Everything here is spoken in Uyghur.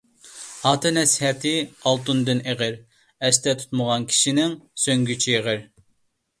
ئاتا نەسىھەتى ئالتۇندىن ئېغىر، ئەستە تۇتمىغان كىشىنىڭ سۆڭگىچى يېغىر.